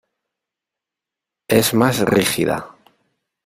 Es más rígida.